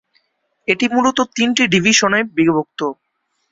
এটি মূলত তিনটি ডিভিশনে বিভক্ত।